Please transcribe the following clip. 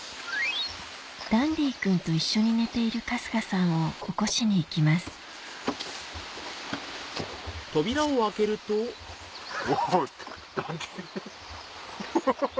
ダンディ君と一緒に寝ている春日さんを起こしに行きますハハハハ。